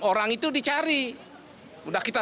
orang itu dicari udah kita